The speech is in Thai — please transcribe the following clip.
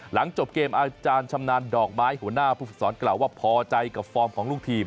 หลังจบเกมอาจารย์ชำนาญดอกไม้หัวหน้าผู้ฝึกสอนกล่าวว่าพอใจกับฟอร์มของลูกทีม